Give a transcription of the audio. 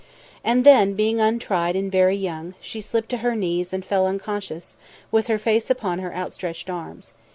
And then, being untried and very young, she slipped to her knees and fell unconscious, with her face upon her outstretched arms.